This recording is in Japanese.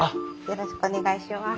よろしくお願いします。